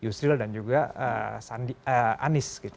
yusril dan juga anies gitu